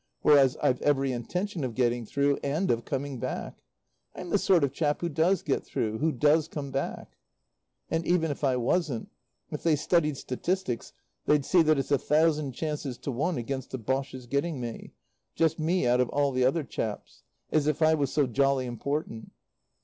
Whereas I've every intention of getting through and of coming back. I'm the sort of chap who does get through, who does come back." "And even if I wasn't, if they studied statistics they'd see that it's a thousand chances to one against the Boches getting me just me out of all the other chaps. As if I was so jolly important.